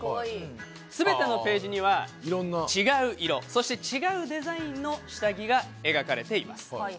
全てのページには違う色そして違うデザインの下着が描かれています。